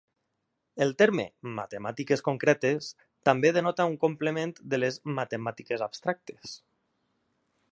El terme "matemàtiques concretes" també denota un complement de les "matemàtiques abstractes".